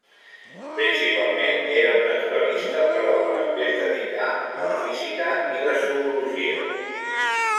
Principalment era un naturalista però també es dedicà a la física i la zoologia.